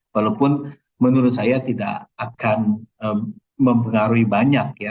walaupun menurut saya tidak akan mempengaruhi banyak ya